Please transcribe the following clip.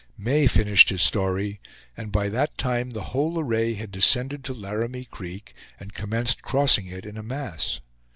May finished his story; and by that time the whole array had descended to Laramie Creek, and commenced crossing it in a mass.